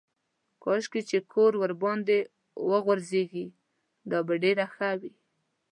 کاشکې چې کور ورباندې وغورځېږي دا به ډېره ښه وي.